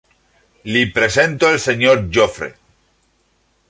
Li presento el Senyor Jofre.